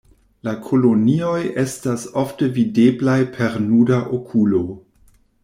La kolonioj estas ofte videblaj per nuda okulo.